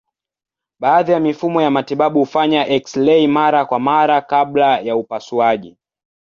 Baadhi ya mifumo ya matibabu hufanya eksirei mara kwa mara kabla ya upasuaji.